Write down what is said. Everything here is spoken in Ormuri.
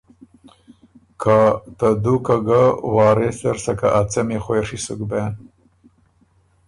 که ته دُوکه ګۀ وارث زر سکه ا څمی خوېڒي سُک بېن